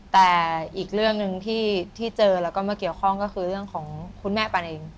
แต่อีกเรื่องหนึ่งที่เจอแล้วก็มาเกี่ยวข้องก็คือเรื่องของคุณแม่ปันเอง